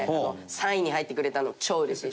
３位に入ってくれたの超うれしい！